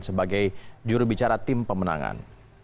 sebagai jurubicara tim pemenangan